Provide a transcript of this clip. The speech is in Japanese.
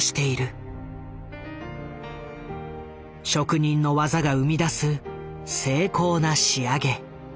職人の技が生み出す精巧な仕上げ。